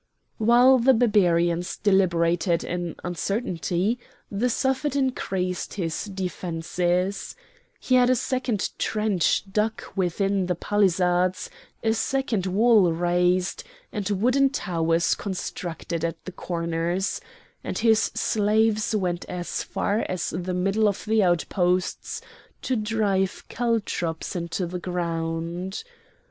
While the Barbarians deliberated in uncertainty, the Suffet increased his defences: he had a second trench dug within the palisades, a second wall raised, and wooden towers constructed at the corners; and his slaves went as far as the middle of the outposts to drive caltrops into the ground.